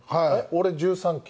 俺１３期。